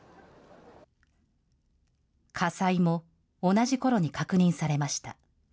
火災も同じころに確認されました。